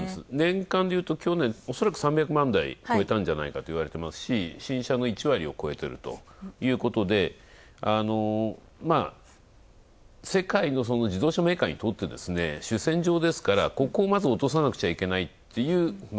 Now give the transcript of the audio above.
年間でいうと、去年３００万台超えたんじゃないかといわれてますし、新車の１割を超えてるということで世界の自動車メーカーにとって主戦場ですから、ここをまず落とさなくちゃいけないという。